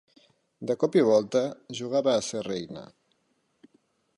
De cop i volta, jugava a ser reina.